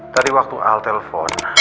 tadi waktu al telpon